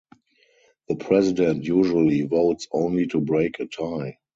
The President usually votes only to break a tie.